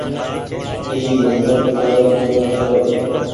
اي نمبر لآگرو ڪونيٚ تآرو